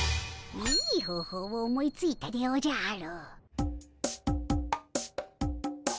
いい方法を思いついたでおじゃる！